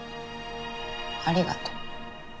ありがと。